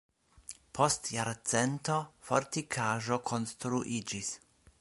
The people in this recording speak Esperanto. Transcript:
Post jarcento fortikaĵo konstruiĝis.